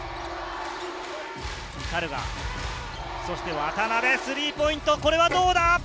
渡邉のスリーポイント、これはどうだ？